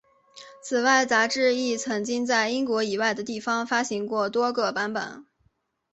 此外杂志亦曾经在英国以外的地方发行过多个版本。